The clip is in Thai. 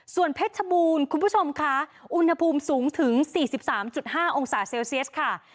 ส่วนเพชรชบูรณ์คุณผู้ชมค่ะอุณหภูมิสูงถึง๔๓๕องศาเซลเซียสค่ะ